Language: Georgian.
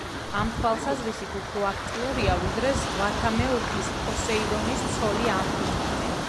ამ თვალსაზრისით, უფრო აქტიურია, ვიდრე ზღვათა მეუფის პოსეიდონის ცოლი ამფიტრიტე.